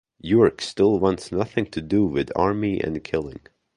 York still wants nothing to do with the Army and killing.